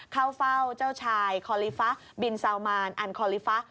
เข้าเฝ้าเจ้าชายคอลิฟะบินซาวมานอันคอลิฟะ